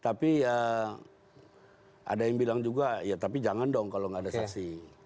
tapi ada yang bilang juga ya tapi jangan dong kalau nggak ada saksi